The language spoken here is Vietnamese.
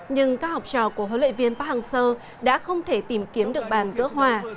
nhưng các học trò của huấn luyện viên park hang seo đã không thể tìm kiếm được bàn gỡ hòa